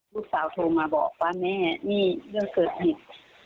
ลูกสาวโทรมาบอกว่าแม่นี่เรื่องเกิดเหตุ